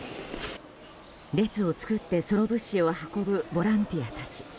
列を作ってその物資を運ぶボランティアたち。